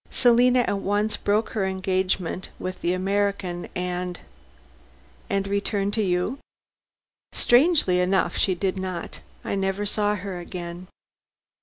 Selina at once broke her engagement with the American, and " "And returned to you?" "Strangely enough she did not. I never saw her again.